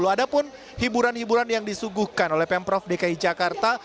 ada pun hiburan hiburan yang disuguhkan oleh pemprov dki jakarta